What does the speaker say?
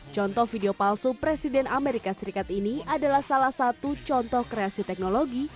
contoh video palsu presiden amerika serikat ini adalah salah satu contoh kreasi teknologi